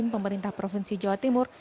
pemerintah provinsi jawa timur